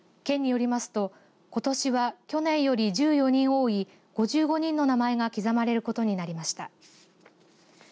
県によりますとことしは去年より１４人多い５５人の名前が刻まれることになりました。